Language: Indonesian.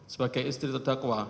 sebagai istri terdakwa